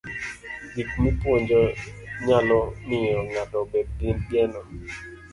Gik mipuonjo nyalo miyo ng'ato obed gi geno.